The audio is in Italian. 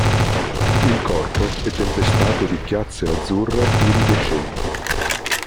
Il corpo è tempestato di chiazze azzurre iridescenti.